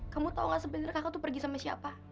kamu tau gak sebenarnya kakak tuh pergi sama siapa